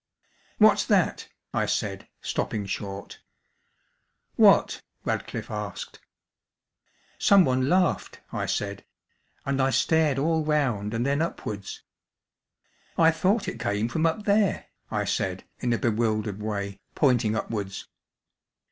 "What's that?" I said, stopping short. "What?" Radcliffe asked. "Someone laughed," I said, and I stared all round and then upwards. "I thought it came from up there," I said in a bewildered way, pointing upwards.